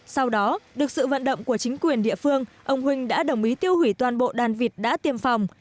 sau đó được sự vận động của chính quyền địa phương ông huỳnh đã đồng ý tiêu hủy toàn bộ đàn vịt đã tiêm phòng